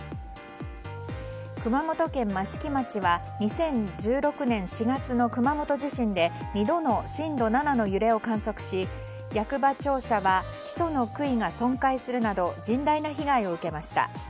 熊本県益城町は２０１６年４月の熊本地震で２度の震度７の揺れを観測し役場庁舎は基礎の杭が損壊するなど甚大な被害を受けました。